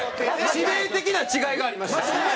致命的な違いがありました。